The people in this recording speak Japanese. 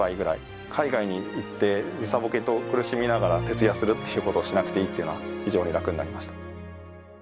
海外に行って時差ボケと苦しみながら徹夜するっていうことをしなくていいっていうのは非常に楽になりました。